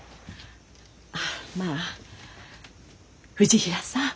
あまあ藤平さん